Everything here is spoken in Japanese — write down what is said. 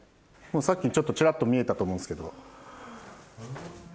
さっきちょっとちらっと見えたと思うんすけど。